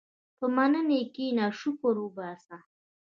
په مننې کښېنه، شکر وباسه.